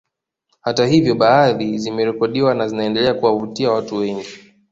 Hata hivyo baadhi zimerekodiwa na zinaendelea kuwavutia watu wengi